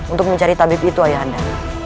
untuk mencari tabib itu ayah anda